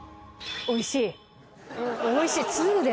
おいしい？